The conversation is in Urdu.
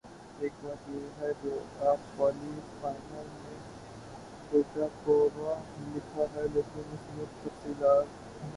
ایک بات ہے کہ آپ والی فائل میں ڈیٹا تھوڑا لکھا ہے لیکن اس میں تفصیلاً ہے